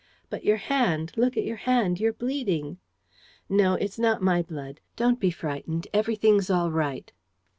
"But your hand; look at your hand. You're bleeding!" "No, it's not my blood. Don't be frightened. Everything's all right."